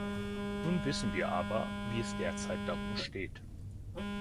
Nun wissen wir aber, wie es derzeit darum steht.